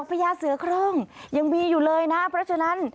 ดอกพยาเสือขล่องยังมีอยู่เลยนะ